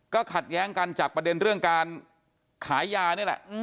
ก็ขัดแย้งกันจากประเด็นเรื่องการขายยานี่แหละ